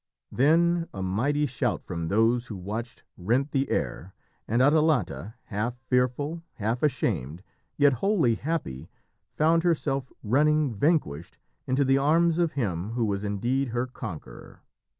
Then a mighty shout from those who watched rent the air, and Atalanta, half fearful, half ashamed, yet wholly happy, found herself running, vanquished, into the arms of him who was indeed her conqueror.